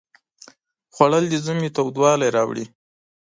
خوړل د ژمي تودوالی راوړي